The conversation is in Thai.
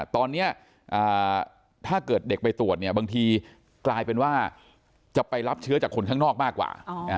ตอนนี้ถ้าเกิดเด็กไปตรวจเนี่ยบางทีกลายเป็นว่าจะไปรับเชื้อจากคนข้างนอกมากกว่า